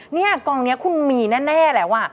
เนี่ยกองนี้คุณมีแน่แล้ว